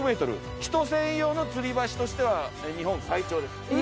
人専用のつり橋としては日本最長です。